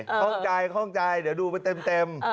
เข้าใจเดี๋ยวดูไปเต็ม